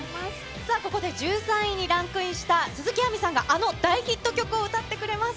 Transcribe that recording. さあ、ここで１３位にランクインした鈴木亜美さんが、あの大ヒット曲を歌ってくれます。